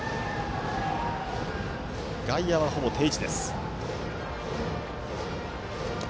外野は、ほぼ定位置です。